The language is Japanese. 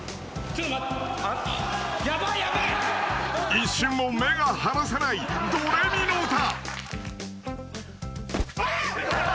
［一瞬も目が離せない『ドレミのうた』］